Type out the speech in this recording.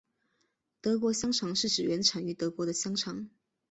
德国香肠是指原产于德国的香肠。